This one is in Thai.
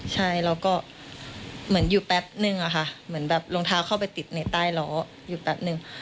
ใช่แล้วก็เหมือนอยู่แป๊บนึงอะค่ะเหมือนแบบรองเท้าเข้าไปติดในใต้ล้ออยู่แป๊บนึง